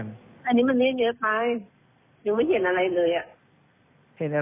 อันนี้มันเรียกเยอะไหมยังไม่เห็นอะไรเลยอ่ะ